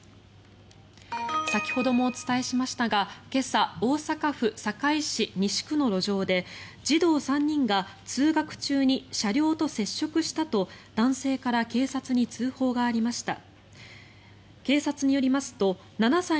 先ほどもお伝えしましたが今朝、大阪府堺市西区の路上で児童３人が通学中に車両と接触したと男性から警察に通報がありました。